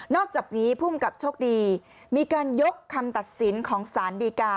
อกจากนี้ภูมิกับโชคดีมีการยกคำตัดสินของสารดีกา